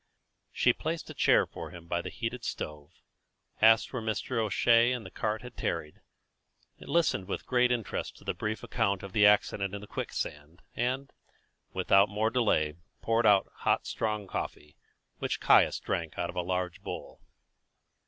She placed a chair for him by the heated stove, asked where Mr. O'Shea and the cart had tarried, listened with great interest to a brief account of the accident in the quicksand, and, without more delay, poured out hot strong coffee, which Caius drank out of a large bowl.